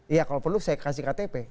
iya kalau perlu saya kasih ktp